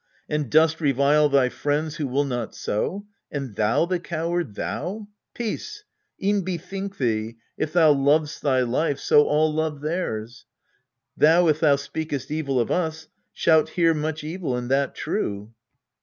and dost revile thy friends Who will not so an,d thou the coward, thou ? Peace ! e'en bethink thee, if thou lov'st thy life, So all love theirs. Thou, if thou speakest evil Of us, shalt hear much evil, and that true.